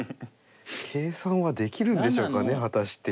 計算はできるんでしょうかね果たして。